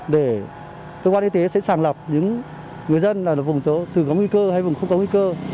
để cơ quan y tế sẽ sàng lọc những người dân là vùng có nguy cơ hay vùng không có nguy cơ